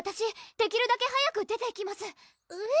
できるだけ早く出ていきますえっ？